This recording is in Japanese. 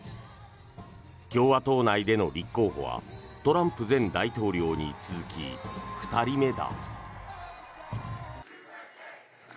共和党内での立候補はトランプ前大統領に続き２人目だ。